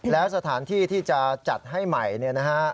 แล้วสถานที่ที่จะจัดให้ใหม่เนี่ยนะฮะ